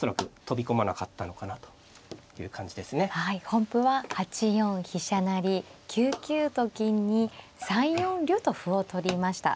本譜は８四飛車成９九と金に３四竜と歩を取りました。